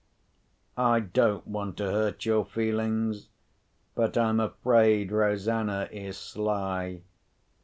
I don't want to hurt your feelings, but I'm afraid Rosanna is sly.